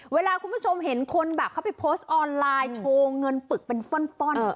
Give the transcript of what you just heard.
เวลาคุณผู้ชมเห็นคนแบบเขาไปโพสต์ออนไลน์โชว์เงินปึกเป็นฟ่อน